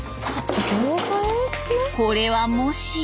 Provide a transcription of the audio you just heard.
これはもしや。